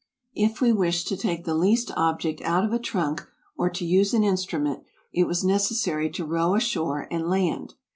If we wished to take the least object out of a trunk, or to use an instrument, it was necessary to row ashore and land.